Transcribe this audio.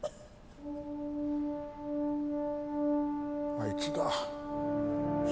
あいつだ。